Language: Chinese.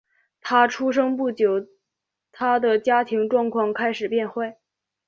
他出生后不久他的家庭状况开始变坏。